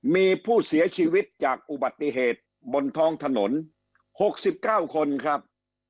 มีผู้เสียชีวิตจากอุบัติเหตุบนท้องถนน๖๙คนครับ